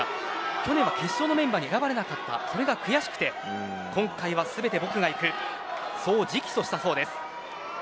去年は決勝のメンバーに選ばれなかったのが悔しくて今回は全て僕が行くそう直訴したそうです。